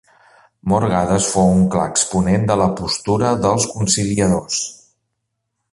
Morgades fou un clar exponent de la postura dels conciliadors.